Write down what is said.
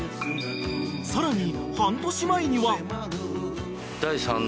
［さらに］